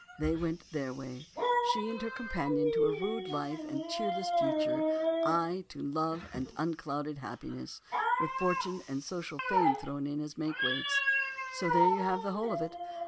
They went their way. She and her companion to a rude life and a cheerless future, I to love and unclouded happiness, with fortune and social fame thrown in as makeweights. So there you have the whole of it.